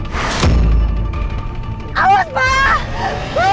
papa pelan pelan pa ini